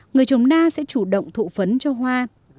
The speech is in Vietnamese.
người trồng na sẽ chủ động thụ phấn cho hoa